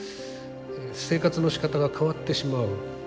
生活のしかたが変わってしまう。